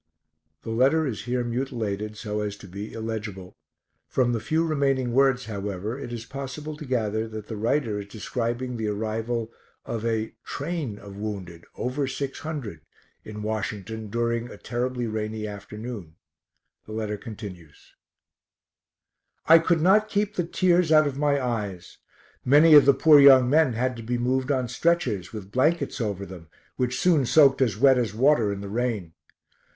[_The letter is here mutilated so as to be illegible; from the few remaining words, however, it is possible to gather that the writer is describing the arrival of a_ train of wounded, over 600, in Washington during a terribly rainy afternoon. The letter continues:] I could not keep the tears out of my eyes. Many of the poor young men had to be moved on stretchers, with blankets over them, which soon soaked as wet as water in the rain.